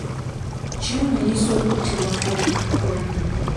Kyewuunyisa okuttibwa akawuka ka Corona.